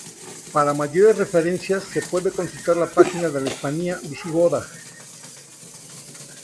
Para mayores referencias, se puede consultar la página de la Hispania visigoda.